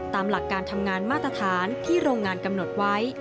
ตามหลักการทำงานมาตรฐานที่โรงงานกำหนดไว้